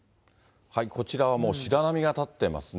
こちらはもう白波が立ってますね。